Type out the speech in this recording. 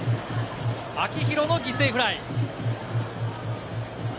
秋広の犠牲フライ。